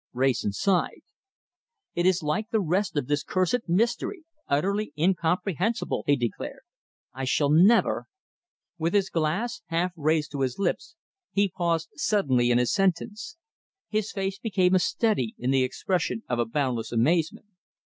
Wrayson sighed. "It is like the rest of this cursed mystery, utterly incomprehensible," he declared. "I shall never " With his glass half raised to his lips, he paused suddenly in his sentence. His face became a study in the expression of a boundless amazement.